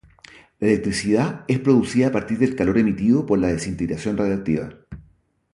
La electricidad es producida a partir del calor emitido por la desintegración radiactiva.